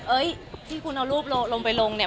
เอ้ยที่คุณเอารูปลงไปลงเนี่ย